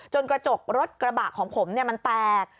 กระจกรถกระบะของผมมันแตก